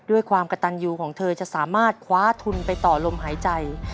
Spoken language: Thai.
ด้วยความกระตันยูของเธอจะสามารถคว้าทุนไปต่อลมหายใจ